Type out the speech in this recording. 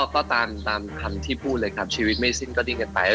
ก็ตามคำที่พูดเลยครับชีวิตไม่สิ้นก็ดิ้นกันไป